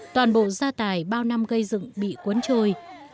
toàn bộ gia tài bao năm gây dựng bị cuốn trôi